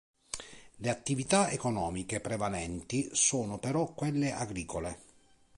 Le attività economiche prevalenti sono però quelle agricole.